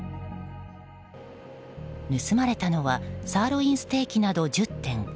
盗まれたのはサーロインステーキなど１０点。